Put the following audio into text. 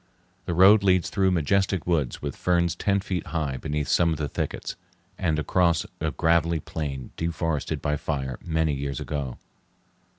The road leads through majestic woods with ferns ten feet high beneath some of the thickets, and across a gravelly plain deforested by fire many years ago.